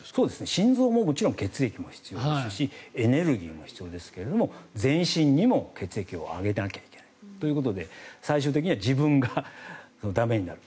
心臓も血液が必要ですしエネルギーも必要ですけど全身にも血液をあげなきゃいけないということで最終的には自分が駄目になる。